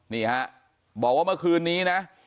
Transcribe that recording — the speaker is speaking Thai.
นี่ฮะบอกว่าเมื่อคืนนี้นะ